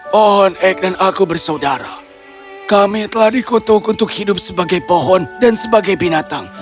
pohon ek dan aku bersaudara kami telah dikutuk untuk hidup sebagai pohon dan sebagai binatang